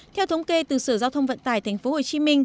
theo thống kê từ sở giao thông vận tải tp hcm